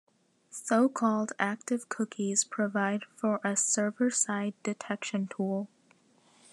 So-called active cookies provide for a server-side detection tool.